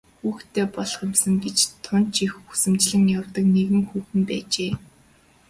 Хүүхэдтэй болох юмсан гэж тун ч их хүсэмжлэн явдаг нэгэн хүүхэн байжээ.